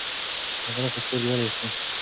د غره په څیر لوړ اوسئ.